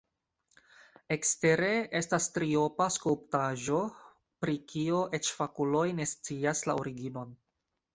Ekstere estas triopa skulptaĵo, pri kio eĉ fakuloj ne scias la originon.